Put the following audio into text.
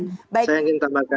saya ingin tambahkan